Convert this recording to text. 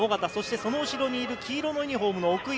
その後ろにいる黄色のユニホームの奥井迪。